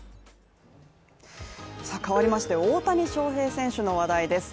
変わりまして、大谷翔平選手の話題です。